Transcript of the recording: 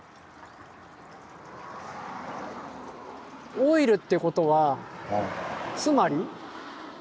オイルっていうことはつまり？